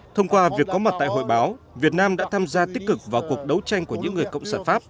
thông qua việc có mặt tại hội báo việt nam đã tham gia tích cực vào cuộc đấu tranh của những người cộng sản pháp